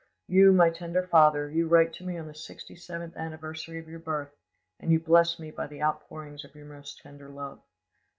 "You, my tender father, you write to me on the sixty seventh anniversary of your birth, and you bless me by the outpouring of your most tender love.